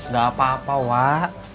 gak apa apa wak